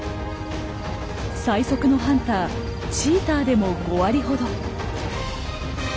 最速のハンターチーターでも５割ほど。